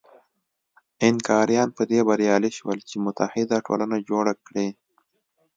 اینکاریان په دې بریالي شول چې متحد ټولنه جوړه کړي.